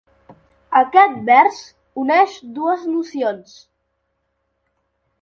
Aquest vers uneix dues nocions.